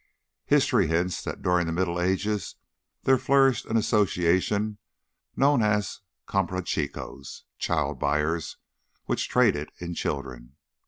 History hints that during the Middle Ages there flourished an association known as Comprachicos "child buyers" which traded in children.